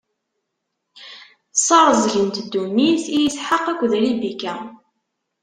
Ssareẓgent ddunit i Isḥaq akked Ribika.